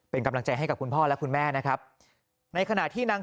เป็นกำลังใจให้กับคุณพ่อและคุณแม่นะครับในขณะที่นาง